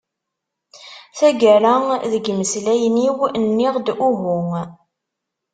Taggara deg imeslayen-iw, nniɣ-d uhu.